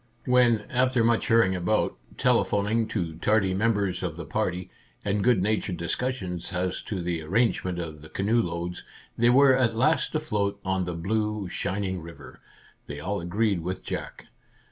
When, after much hurrying about, telephon ing to tardy members of the party, and good natured discussion as to the arrangement of the canoe loads, they were at last afloat on the blue, shining river, they all agreed with Jack.